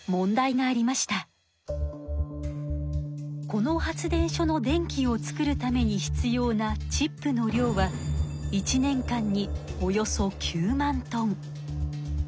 この発電所の電気を作るために必要なチップの量は１年間におよそ９万トン。